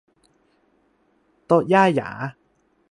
โต๊ะย่าหยา